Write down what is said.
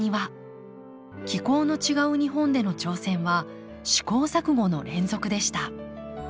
気候の違う日本での挑戦は試行錯誤の連続でした。